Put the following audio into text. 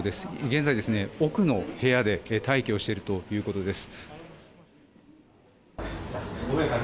現在、奥の部屋で待機をしているということです。